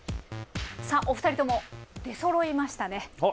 さあお二人とも出そろいましたね。